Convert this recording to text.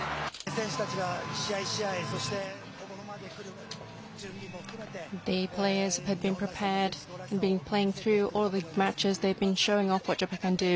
選手たちが一試合一試合、そしてここまで来る準備も含めて、日本らしさ、